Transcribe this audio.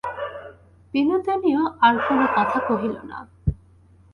বিনোদিনীও আর কোনো কথা কহিল না।